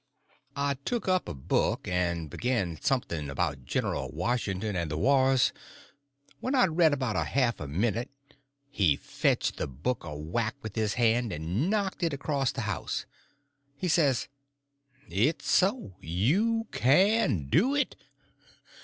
I took up a book and begun something about General Washington and the wars. When I'd read about a half a minute, he fetched the book a whack with his hand and knocked it across the house. He says: "It's so. You can do it.